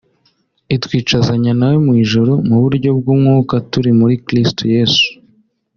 itwicazanya nawe mu ijuru mu buryo bw’umwuka turi muri kristo Yesu